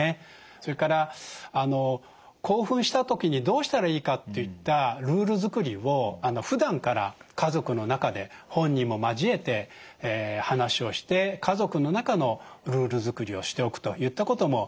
それから興奮した時にどうしたらいいかといったルール作りをふだんから家族の中で本人も交えて話をして家族の中のルール作りをしておくといったこともよいことかなと思います。